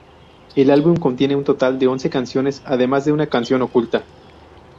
El álbum contiene un total de once canciones, además de una canción oculta.